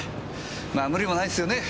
まあ無理もないっすよね